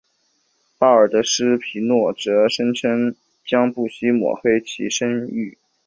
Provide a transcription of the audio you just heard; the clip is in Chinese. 巴尔德斯皮诺则声称将不惜抹黑其声誉。